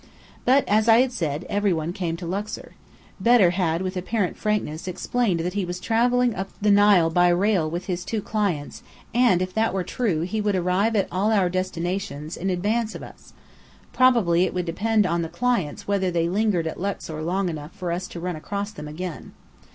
But, as I had said, every one came to Luxor. Bedr had with apparent frankness explained that he was travelling up the Nile by rail with his two clients: and if that were true, he would arrive at all our destinations in advance of us. Probably it would depend on "the clients" whether they lingered at Luxor long enough for us to run across them again.